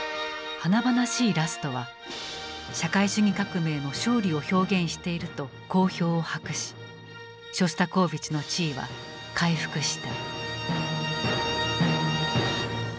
華々しいラストは「社会主義革命の勝利」を表現していると好評を博しショスタコーヴィチの地位は回復した。